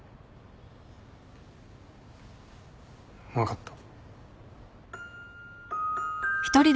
分かった。